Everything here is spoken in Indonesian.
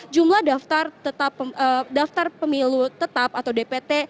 jumlah daftar pemilu tetap atau dpt